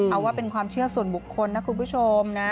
เอาว่าเป็นความเชื่อส่วนบุคคลนะคุณผู้ชมนะ